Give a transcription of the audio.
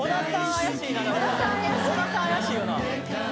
怪しい小田さん怪しいよな